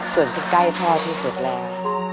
ส่วนที่ใกล้พ่อที่สุดแล้ว